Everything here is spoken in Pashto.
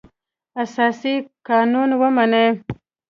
اساسي قانون ومني.